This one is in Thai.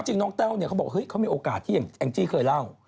จริงน้องเต้าเนี่ยเขาบอกเฮ้ยเขามีโอกาสที่แอ้งจี้เคยเล่า